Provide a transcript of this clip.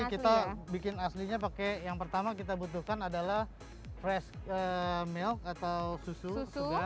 kita bikin aslinya pakai yang pertama kita butuhkan adalah fresh milk atau susu segar